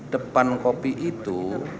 depan kopi itu